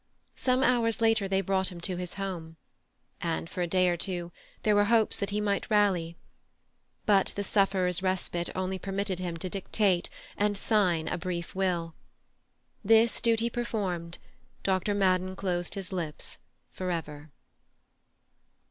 Some hours later they brought him to his home, and for a day or two there were hopes that he might rally. But the sufferer's respite only permitted him to dictate and sign a brief will; this duty performed, Dr. Madden closed his lips for ever.